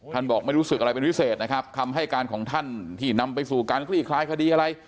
บอกไม่รู้สึกอะไรเป็นพิเศษนะครับคำให้การของท่านที่นำไปสู่การคลี่คลายคดีอะไร